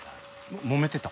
もめてた？